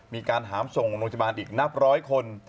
มีการหามส่งโรงพยาบาลอีกนับร้อยคน